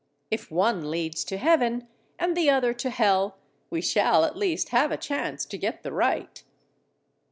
If one leads to heaven, and the other to hell, we shall at least have a chance to get the right!